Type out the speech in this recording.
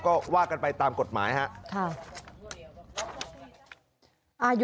ก็ว่ากันไปตามกฎหมายครับ